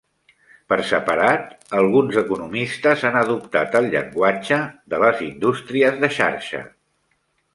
Per separat, alguns economistes han adoptat el llenguatge de les "indústries de xarxa".